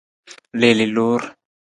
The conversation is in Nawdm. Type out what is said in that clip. Liili loor.